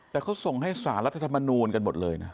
แต่เขาส่งให้สารรัฐธรรมนูลกันหมดเลยนะ